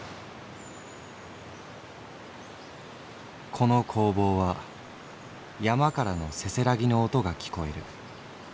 「この工房は山からのせせらぎの音が聴こえる。